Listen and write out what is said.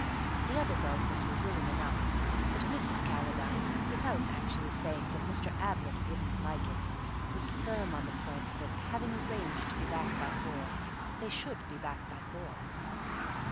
The other golfers were willing enough, but Mrs. Calladine, without actually saying that Mr. Ablett wouldn't like it, was firm on the point that, having arranged to be back by four, they should be back by four.